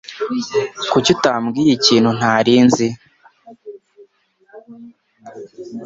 Kuki utambwira ikintu ntari nzi?